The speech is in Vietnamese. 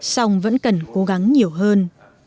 song vẫn cần cố gắng nhiều hơn